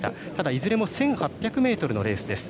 いずれも１８００ｍのレースです。